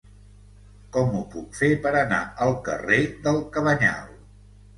Com ho puc fer per anar al carrer del Cabanyal?